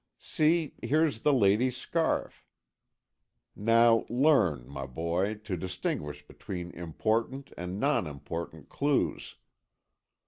See, here's the lady's scarf. Now learn, my boy, to distinguish between important and non important clues.